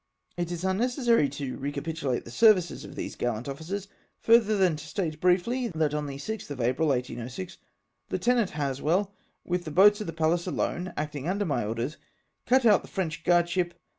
It is unnecessary to recapitulate the services of these gallant officers, further than to state briefly, that on the 6th of April, 1806, Lieutenant Haswell, with the boats of the Pallas alone, acting under my orders, cut out the French guardship.